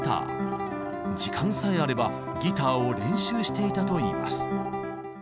時間さえあればギターを練習していたといいます。